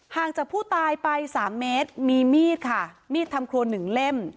ห่างจากผู้ตายไปสามเมตรมีมีดค่ะมีดทำครัวหนึ่งเล่ม